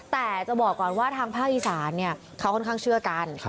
แต่จะบอกก่อนว่าทางภาคอีสานเขาค่อนข้างเชื่อกัน